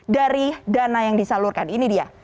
dari dana yang disalurkan ini dia